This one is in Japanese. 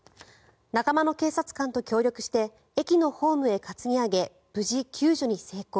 仲間の警察官と協力して駅のホームへ担ぎ上げ無事、救助に成功。